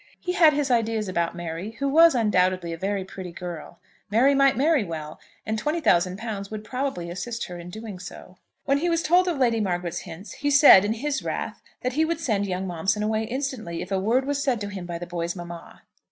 He had his ideas about Mary, who was undoubtedly a very pretty girl. Mary might marry well, and £20,000 would probably assist her in doing so. When he was told of Lady Margaret's hints, he said in his wrath that he would send young Momson away instantly if a word was said to him by the boy's mamma.